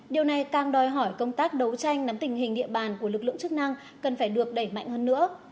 điều này càng đòi hỏi công tác đấu tranh nắm tình hình địa bàn của lực lượng chức năng cần phải được đẩy mạnh hơn nữa